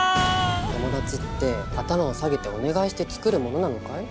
友達って頭を下げてお願いして作るものなのかい？